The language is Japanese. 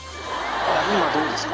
今、どうですか？